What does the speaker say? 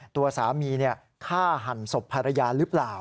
ตัวสามีฆ่าหันศพภรรยาหรือเปล่า